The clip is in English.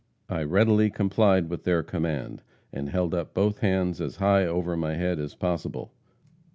I readily complied with their command, and held up both hands as high over my head as possible.